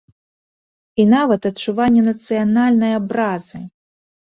І нават адчуванне нацыянальнай абразы.